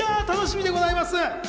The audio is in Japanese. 楽しみでございます。